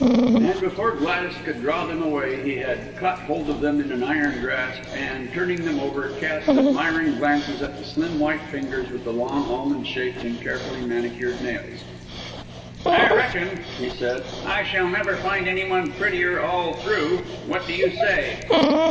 And before Gladys could draw them away, he had caught hold of them in an iron grasp, and, turning them over, cast admiring glances at the slim, white fingers with the long, almond shaped and carefully manicured nails. "I reckon," he said, "I shall never find any one prettier all through. What do you say?"